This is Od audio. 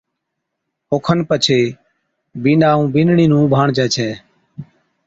او کن پڇي بِينڏا ائُون بِينڏڙِي نُون اُڀاڻجي ڇَي